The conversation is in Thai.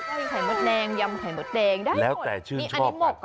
ก้อยไข่มดแดงยำไข่มดแดงแล้วแต่ชื่อชอบ